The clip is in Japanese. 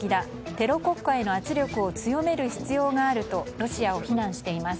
テロ国家への圧力を強める必要があるとロシアを非難しています。